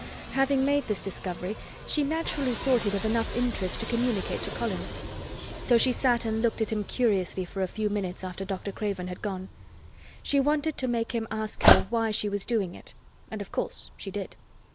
Having made this discovery she naturally thought it of enough interest to communicate to Colin. So she sat and looked at him curiously for a few minutes after Dr. Craven had gone. She wanted to make him ask her why she was doing it and of course she did.